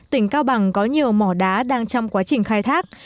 tỉnh cao bằng có nhiều mỏ đá đang trong quá trình khai thác